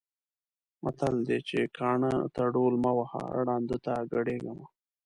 متل دی چې: کاڼۀ ته ډول مه وهه، ړانده ته ګډېږه مه.